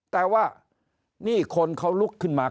แต่ว่านี่คนเขาลุกขึ้นมา